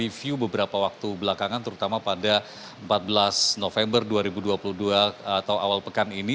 review beberapa waktu belakangan terutama pada empat belas november dua ribu dua puluh dua atau awal pekan ini